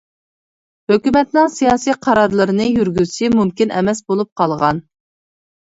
ھۆكۈمەتنىڭ سىياسىي قارارلىرىنى يۈرگۈزۈشى مۇمكىن ئەمەس بولۇپ قالغان.